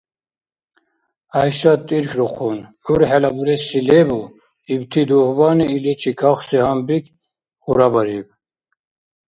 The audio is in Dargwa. ГӀяйшат тирхьрухъун. «ГӀyp хӀела буреси лебу?» ибти дугьбани иличи кахси гьанбик хьурабариб: